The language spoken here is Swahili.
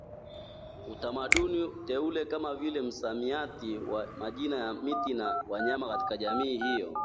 utamaduni teule kama vile msamiati wa majina ya miti na wanyama katika jamii hiyo